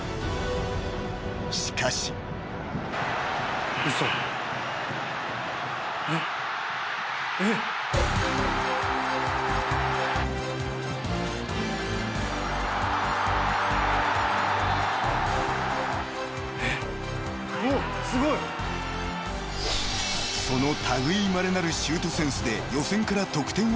［しかし］［その類いまれなるシュートセンスで予選から］